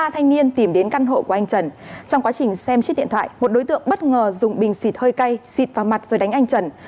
ba thanh niên tìm đến căn hộ của anh trần trong quá trình xem chiếc điện thoại một đối tượng bất ngờ dùng bình xịt hơi cay xịt vào mặt rồi đánh anh trần